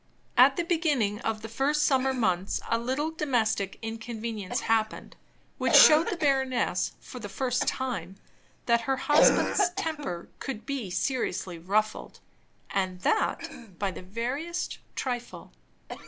At the beginning of the first summer months, a little domestic inconvenience happened, which showed the baroness, for the first time, that her husband's temper could be seriously ruffled and that by the veriest trifle.